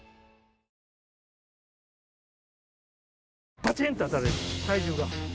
バチンと当たるように体重が。